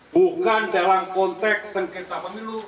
bukan dalam konteks sengketa pemilu